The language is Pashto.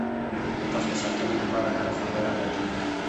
د تخت د ساتلو لپاره هره خبره بدلېږي.